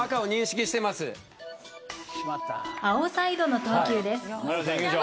青サイドの投球です。